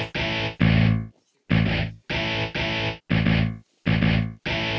sudah ada nonel ini bahkan